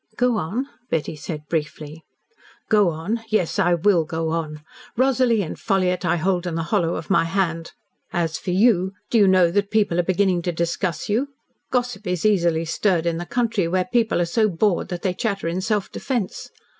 "Go on," Betty said briefly. "Go on! Yes, I will go on. Rosalie and Ffolliott I hold in the hollow of my hand. As for you do you know that people are beginning to discuss you? Gossip is easily stirred in the country, where people are so bored that they chatter in self defence.